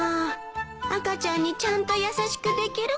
赤ちゃんにちゃんと優しくできるかな？